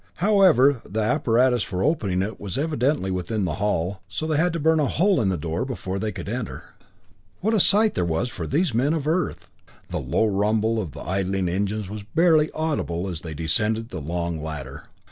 However, the apparatus for opening it was evidently within the hull, so they had to burn a hole in the door before they could enter. What a sight there was for these men of Earth. The low rumble of the idling engines was barely audible as they descended the long ladder.